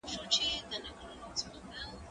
که وخت وي، نان خورم،